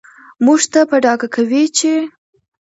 موږ ته په ډاګه کوي چې